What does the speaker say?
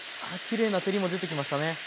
きれいな照りも出てきましたね。